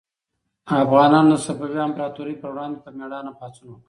افغانانو د صفوي امپراطورۍ پر وړاندې په مېړانه پاڅون وکړ.